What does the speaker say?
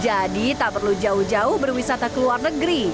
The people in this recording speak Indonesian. jadi tak perlu jauh jauh berwisata kunjung